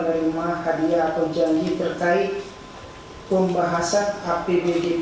telah diduga menerima hadiah atau janji terkait pembahasan apbd b